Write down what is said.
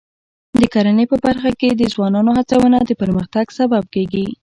د کرنې په برخه کې د ځوانانو هڅونه د پرمختګ سبب کېږي.